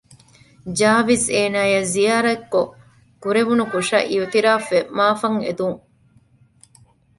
ޖާވިޒް އޭނާއަށް ޒިޔާރަތްކޮއް ކުރެވުނު ކުށަށް އިއުތިރާފްވެ މަޢާފްއަށް އެދުން